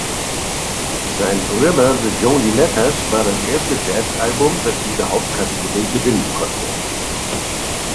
Sein "River: The Joni Letters" war das erste Jazz-Album, das diese Hauptkategorie gewinnen konnte.